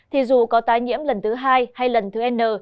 thì dù có tái nhiễm lần thứ hai hay lần thứ n